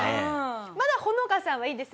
まだホノカさんはいいですよ